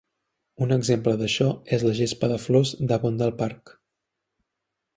Un exemple d'això és la gespa de flors d'Avondale Park.